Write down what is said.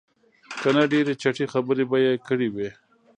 که نه ډېرې چټي خبرې به یې کړې وې.